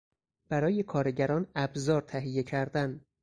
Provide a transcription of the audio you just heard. برای کارگران ابزار تهیه کردن